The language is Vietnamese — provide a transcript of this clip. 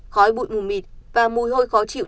khói bụi mù mịt và mùi hôi khó chịu